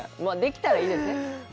まあできたらいいですね。